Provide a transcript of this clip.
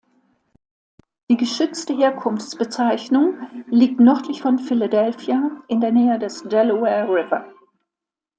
Die geschützte Herkunftsbezeichnung liegt nördlich von Philadelphia in der Nähe des Delaware River.